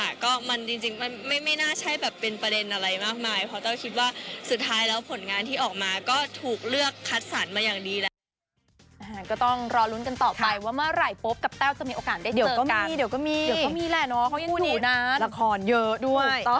ก็มันจริงมันไม่น่าใช่แบบเป็นประเด็นอะไรมากมายเพราะแต้วคิดว่าสุดท้ายแล้วผลงานที่ออกมาก็ถูกเลือกคัดสรรมาอย่างดีแหละ